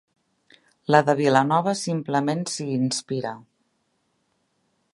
La de Vilanova simplement s'hi inspira.